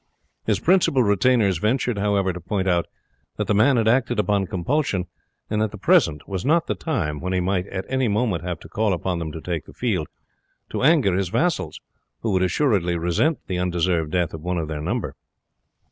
His principal retainers ventured, however, to point out that the man had acted upon compulsion, and that the present was not the time, when he might at any moment have to call upon them to take the field, to anger his vassals, who would assuredly resent the undeserved death of one of their number.